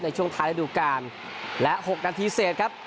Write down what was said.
ในช่วงท้ายระดูการและ๖นาทีเสร็จครับ